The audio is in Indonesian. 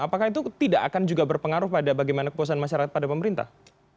apakah itu tidak akan juga berpengaruh pada bagaimana kepuasan masyarakat pada pemerintah